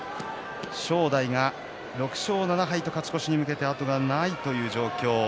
正代が６勝７敗と勝ち越しに向けて後がない状況。